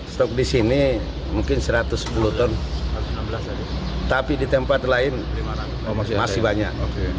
stok di sini mungkin satu ratus sepuluh ton tapi di tempat lain masih banyak